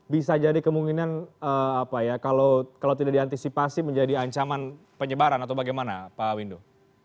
bisa jadi kemungkinan kalau tidak diantisipasi menjadi ancaman penyebaran atau bagaimana pak windu